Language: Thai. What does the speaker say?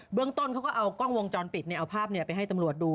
เรื่องต้นเขาก็เอากล้องวงจรปิดเอาภาพไปให้ตำรวจดู